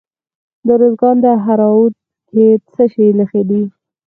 د ارزګان په دهراوود کې د څه شي نښې دي؟